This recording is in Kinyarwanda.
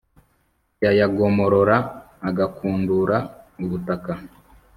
yayagomorora, agakundura ubutaka